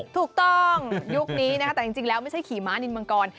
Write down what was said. ยุคนี้นะคะแต่จริงแล้วไม่ใช่ขี่ม้านินมังกร